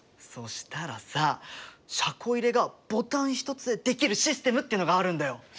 そしたらさ車庫入れがボタン一つでできるシステムっていうのがあるんだよ。